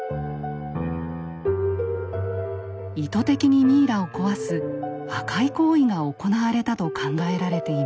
意図的にミイラを壊す破壊行為が行われたと考えられています。